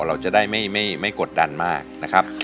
เราจะได้ไม่กดดันมากนะครับ